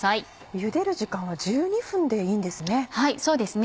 ゆでる時間は１２分でいいんですね。